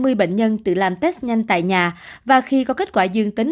có trên hai mươi bệnh nhân tự làm test nhanh tại nhà và khi có kết quả xương tính